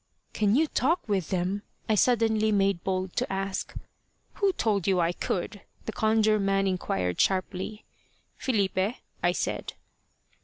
"Can you talk with them?" I suddenly made bold to ask. "Who told you I could?" the Conjure man inquired sharply. "Filipe," I said.